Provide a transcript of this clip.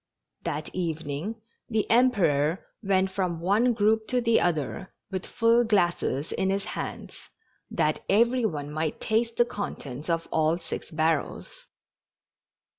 That evening the Emperor went from one group to the other with full glasses in his hands, that every one might taste the con tents of all six barrels.